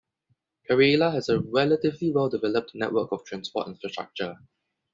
Karelia has a relatively well developed network of transport infrastructure.